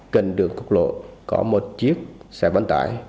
kênh đường cục lộ có một chiếc xe văn tải